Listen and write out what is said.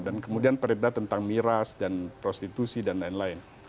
dan kemudian perda tentang miras dan prostitusi dan lain lain